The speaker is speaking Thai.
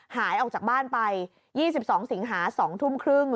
หายออกจากบ้านไป๒๒สิงหา๒ทุ่มครึ่ง